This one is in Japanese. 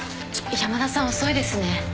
山田さん遅いですね。